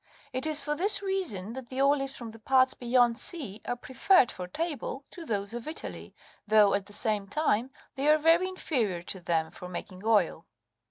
36 It is for this reason that the olives from the parts beyond sea are preferred for table to those of Italy, though, at the same time, they are very inferior to them for making oil.